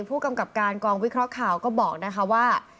ผู้กำกับการกองวิเคราะห์ข่าวก็บอกนะคะว่า